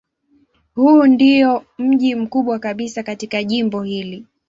Huu ndiyo mji mkubwa kabisa katika jimbo hili.